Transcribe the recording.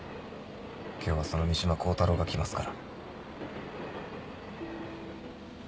今日はその三島光太郎が来ますから。